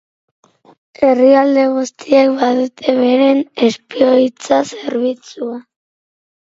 Herrialde guztiek badute beren espioitza zerbitzua.